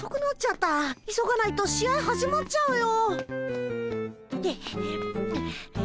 急がないと試合始まっちゃうよ。